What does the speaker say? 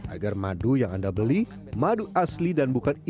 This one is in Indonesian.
agar madu yang anda beli madu asli dan bukan